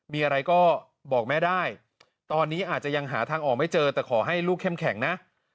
มีอะไรก็บอกแม่ได้ตอนนี้อาจจะยังหาทางออกไม่เจอแต่ขอให้ลูกเข้มแข็งนะ